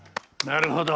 なるほど。